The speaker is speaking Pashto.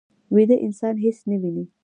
ویده انسان هېڅ نه ویني